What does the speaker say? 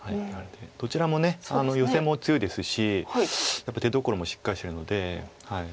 どちらもヨセも強いですしやっぱり手どころもしっかりしてるので。